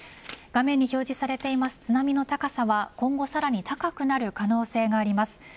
画面に表示されている津波の高さは今後さらに高くなる可能性があります。